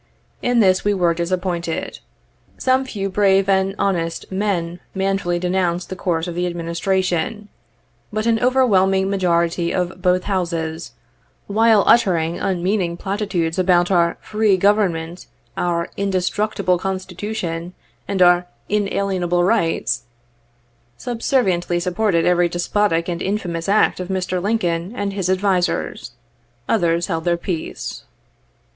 In this we were disappointed. Some few braye and honest men manfully denounced the course of the Administration, but an overwhelming majority of both Houses, while uttering unmeaning platitudes about our "free Government," our "indestructible constitution," and our "inalienable rights," subserviently supported every despotic and infamous act of Mr. Lincoln and his advisers. Others held their peace.